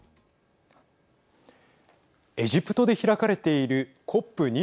エジプトで開かれているＣＯＰ２７。